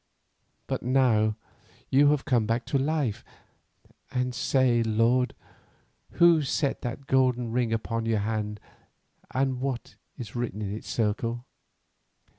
But now you have come back to life, and say, lord, who set that golden ring upon your hand and what is written in its circle?